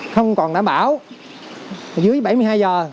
không còn đảm bảo dưới bảy mươi hai giờ